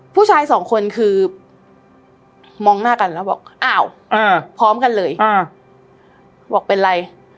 ผู้ชายสองคนคือมองหน้ากันแล้วบอกอ้าวพร้อมกันเลยบอกเป็นไร